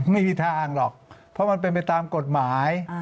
ไม่มีทางอ่านหรอกเพราะมันเป็นไปตามกฎหมาย